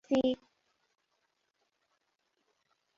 kondoo na farasi.